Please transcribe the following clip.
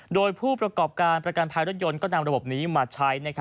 โดยผู้ประกอบการประกันภัยรถยนต์ก็นำระบบนี้มาใช้